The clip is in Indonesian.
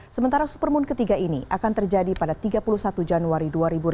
sementara supermoon ketiga ini akan terjadi pada tiga puluh satu januari dua ribu delapan belas